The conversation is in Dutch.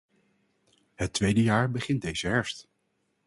Het tweede jaar begint deze herfst.